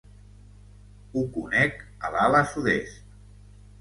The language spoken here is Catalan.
Ho conec a l'ala sud-est.